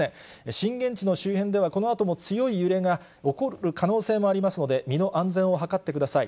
震源地の周辺では、このあとも強い揺れが起こる可能性もありますので、身の安全を図ってください。